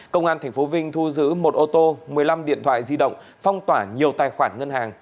công an tp vinh thu giữ một ô tô một mươi năm điện thoại di động phong tỏa nhiều tài khoản ngân hàng